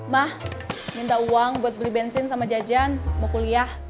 mah minta uang buat beli bensin sama jajan mau kuliah